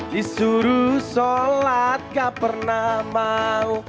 disuruh sholat gak pernah mau